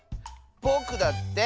ぼくだって！